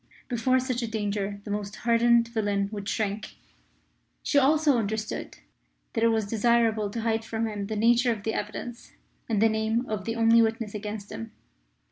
Before such a danger the most hardened villain would shrink. She also understood that it was desirable to hide from him the nature of the evidence and the name of the only witness against him.